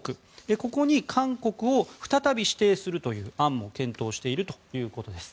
ここに韓国を再び指定するという案も検討しているということです。